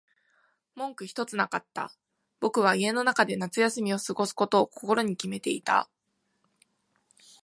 文句ひとつなかった。僕は家の中で夏休みを過ごすことを心に決めていた。